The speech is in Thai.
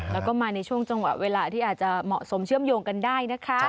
แล้วก็มาในช่วงจังหวะเวลาที่อาจจะเหมาะสมเชื่อมโยงกันได้นะคะ